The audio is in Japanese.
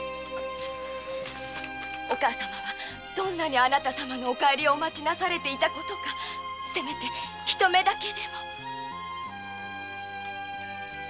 お母様はどんなにあなた様のお帰りをお待ちなされていたかせめてひと目だけでも。